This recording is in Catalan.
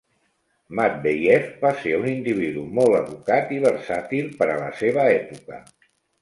Matveyev va ser un individu molt educat i versàtil per a la seva època.